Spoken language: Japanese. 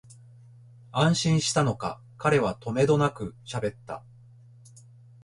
安心したのか、彼はとめどなくしゃべった